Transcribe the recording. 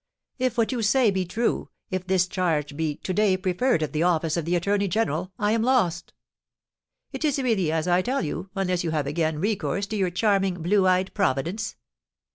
If what you say be true, if this charge be to day preferred at the office of the attorney general, I am lost!" "It is really as I tell you, unless you have again recourse to your charming, blue eyed Providence."